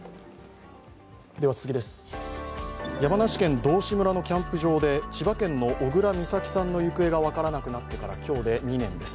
山梨県道志村のキャンプ場で千葉県の小倉美咲さんの行方が分からなくなってから今日で２年です。